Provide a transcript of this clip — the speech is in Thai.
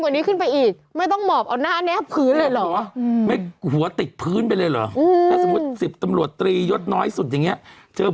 หรือ๑๙หรือ๑๙หรือ๑๙หรือ๑๙หรือ๑๙หรือ๑๙